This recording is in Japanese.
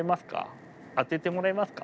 当ててもらえますか。